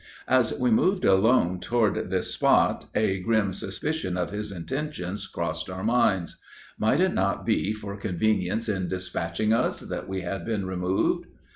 As we moved alone toward this spot, a grim suspicion of his intentions crossed our minds. Might it not be for convenience in dispatching us, that we had been removed?